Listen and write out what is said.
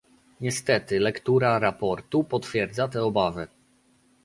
Niestety lektura raportu potwierdza te obawy